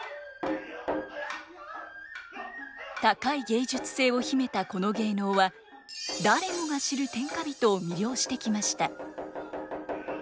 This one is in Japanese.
高い芸術性を秘めたこの芸能は誰もが知る天下人を魅了してきました。